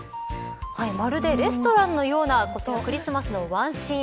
まるで、レストランのようなクリスマスのワンシーン。